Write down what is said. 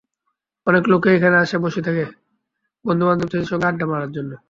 অনেক লোকই এখানে আসে বসে থেকে বন্ধুবান্ধবদের সঙ্গে আড্ডা মারার জন্য।